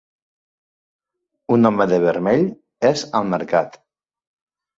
Un home de vermell és al mercat.